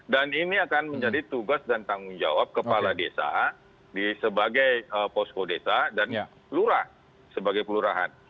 dan ini akan menjadi tugas dan tanggung jawab kepala desa sebagai posko desa dan pelurahan